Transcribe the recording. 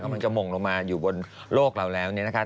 มันจะหม่งลงมาอยู่บนโลกเราแล้วเนี่ยนะคะ